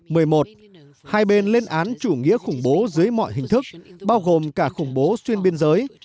một mươi một hai bên lên án chủ nghĩa khủng bố dưới mọi hình thức bao gồm cả khủng bố xuyên biên giới